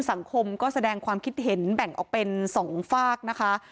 สังคมก็แสดงความคิดเห็นแบ่งออกเป็น๒ฝากนะคะ